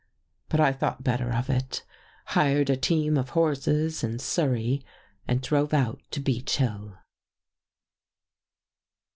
" But I thought better of it, hired a team of horses and surrey and drove out to Beech Hill."